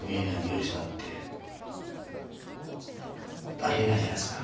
ありえないじゃないですか。